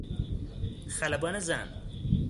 خلبان زن